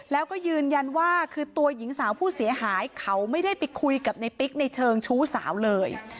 แล้วก็ยืนยันว่าคือตัวหญิงสาวผู้เสียหายเขาไม่ได้ไปคุยกับในปิ๊กในเชิงชู้สาวเลย